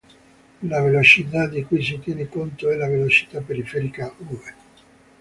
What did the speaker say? La velocità di cui si tiene conto è la velocità periferica "v".